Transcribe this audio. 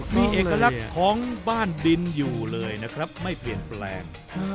มีเอกลักษณ์ของบ้านดินอยู่เลยนะครับไม่เปลี่ยนแปลง